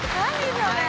それ。